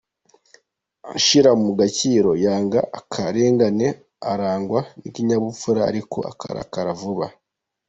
Ashyira mu gaciro, yanga akarengane arangwa n’ikinyabupfura ariko arakara vuba.